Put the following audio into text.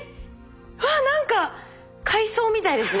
うわ何か海藻みたいですね。